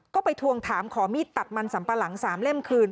ก็ไปทวงถามขอมีดตัดมันสัมปะหลัง๓เล่มคืน